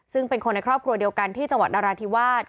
ซึ่งเป็นคนในครอบครัวเดียวกันที่จังหวัดนราธิวาส